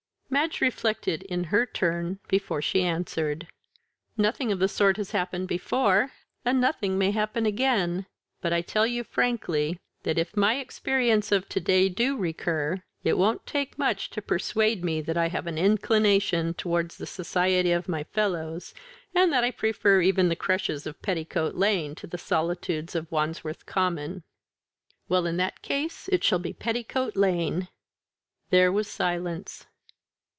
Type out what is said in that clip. Madge reflected, in her turn, before she answered. "Nothing of the sort has happened before, and nothing may happen again. But I tell you frankly, that, if my experiences of to day do recur, it won't take much to persuade me that I have an inclination towards the society of my fellows, and that I prefer even the crushes of Petticoat Lane to the solitudes of Wandsworth Common." "Well, in that case, it shall be Petticoat Lane." There was silence.